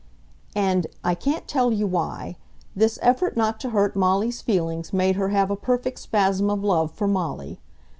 And, I can't tell you why, this effort not to hurt Molly's feelings made her have a perfect spasm of love for Molly.